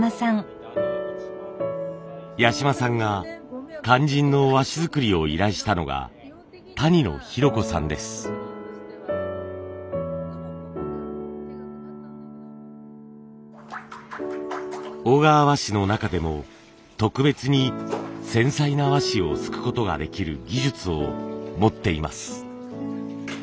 八島さんが肝心の和紙作りを依頼したのが小川和紙の中でも特別に繊細な和紙をすくことができる技術を持っています。